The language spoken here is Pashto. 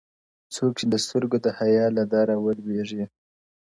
څوك چي د سترگو د حـيـا له دره ولوېــــږي.!